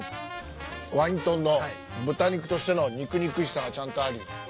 ワイントンの豚肉としての肉々しさがちゃんとあり。